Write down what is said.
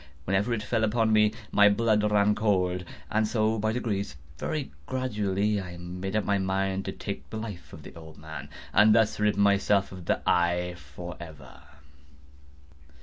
Whenever it fell upon me, my blood ran cold; and so by degrees—very gradually—I made up my mind to take the life of the old man, and thus rid myself of the eye forever.